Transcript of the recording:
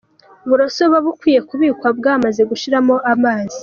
Uburoso buba bukwiye kubikwa bwamaze gushiramo amazi.